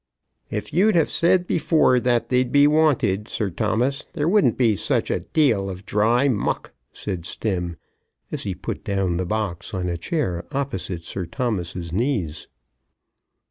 "If you'd have said before that they'd be wanted, Sir Thomas, there wouldn't be such a deal of dry muck," said Stemm, as he put down the box on a chair opposite Sir Thomas's knees.